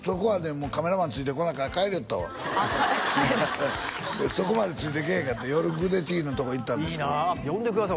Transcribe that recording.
もうカメラマンついてこないから帰りよったわあっ帰ったそこまでついてけえへんかった夜ブデチゲのとこ行ったんですけどいいな呼んでください